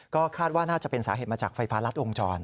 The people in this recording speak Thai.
ก็คาดว่าน่าจะเป็นสาเหตุมาจากไฟฟ้ารัดวงจร